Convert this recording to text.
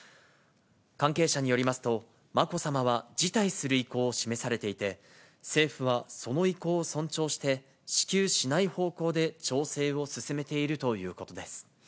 関係者によりますと、まこさまは辞退する意向を示されていて、政府はその意向を尊重して、支給しない方向で調整を進めているということです。